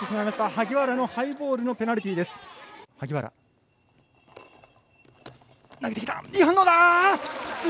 萩原のハイボールのペナルティーです。